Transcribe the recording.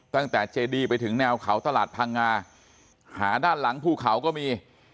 เจดีไปถึงแนวเขาตลาดพังงาหาด้านหลังภูเขาก็มี